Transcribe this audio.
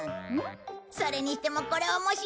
それにしてもこれ面白いね！